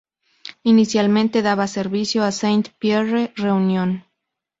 Inicialmente daba servicio a Saint-Pierre, Reunión.